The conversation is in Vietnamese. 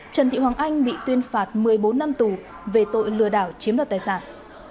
trần thị hoàng anh bị tuyên phạt một mươi bốn năm tù về tội lừa đảo chiếm đoạt tài sản